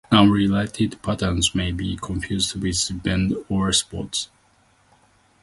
Unrelated patterns may be confused with Bend-Or spots.